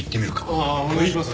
ああお願いします。